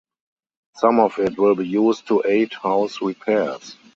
Some of it will be used to aid house repairs.